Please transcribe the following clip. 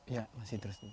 iya masih terus